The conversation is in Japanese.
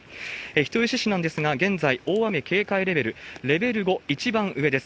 人吉市なんですが、現在、大雨警戒レベル、レベル５、一番上です。